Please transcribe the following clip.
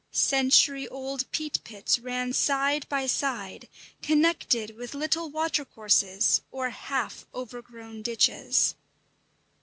Century old peat pits ran side by side, connected with little watercourses or half overgrown ditches.